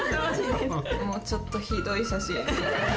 もう、ちょっとひどい写真。